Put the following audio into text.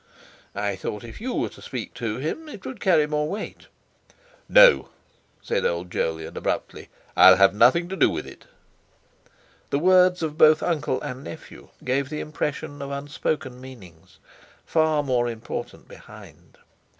I thought if you were to speak to him, it would carry more weight!" "No," said old Jolyon abruptly; "I'll have nothing to do with it!" The words of both uncle and nephew gave the impression of unspoken meanings, far more important, behind.